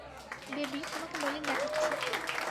Baby, তোমাকে মলিন দেখাচ্ছে।